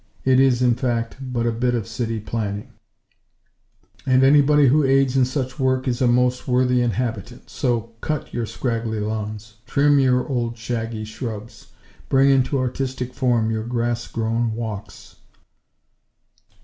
It is, in fact, but a bit of City Planning; and anybody who aids in such work is a most worthy inhabitant. So, cut your scraggly lawns! Trim your old, shaggy shrubs! Bring into artistic form, your grass grown walks!"